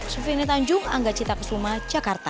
sufini tanjung angga cita kesuma jakarta